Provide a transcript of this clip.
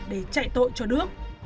để chạy tội cho đước